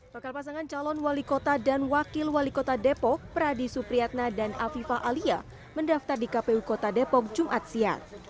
bakal pasangan calon wali kota dan wakil wali kota depok pradi supriyatna dan afifah alia mendaftar di kpu kota depok jumat siang